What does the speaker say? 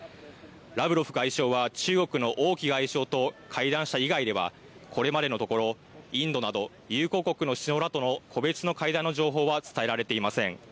ラブロフ外相は中国の王毅外相と会談した以外ではこれまでのところインドなど、友好国の首脳らとの個別の会談の情報は伝えられていません。